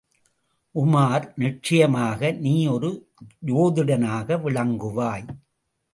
உமார், நிச்சயமாக நீ ஒரு ஜோதிடனாக விளங்குவாய்!